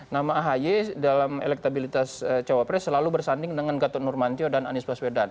nama ahy dalam elektabilitas cawapres selalu bersanding dengan gatot nurmantio dan anies baswedan